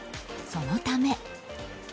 そのため。